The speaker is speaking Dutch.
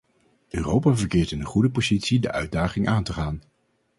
Europa verkeert in een goede positie de uitdaging aan te gaan.